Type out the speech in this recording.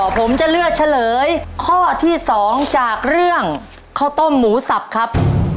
ผมจะเลือกเฉลยข้อที่๒จากเรื่องข้าวต้มหมูสับครับ